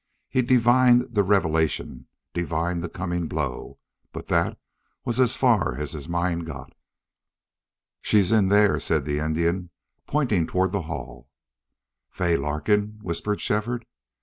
He divined the revelation divined the coming blow but that was as far as his mind got. "She's in there," said the Indian, pointing toward hall. "Fay Larkin?" whispered Shefford.